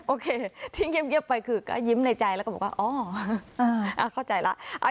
โอเคที่เงียบไปคือก็ยิ้มในใจแล้วก็บอกว่าอ๋อเข้าใจแล้ว